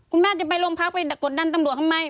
คุณแม่จะไปโรงพักไปกดดันตำรวจทำไม